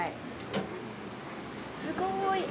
すごい。